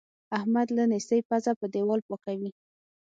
احمد له نېستۍ پزه په دېوال پاکوي.